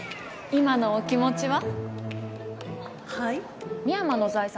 今のお気持ちは？